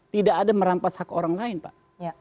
tidak ada merampas hak orang lain pak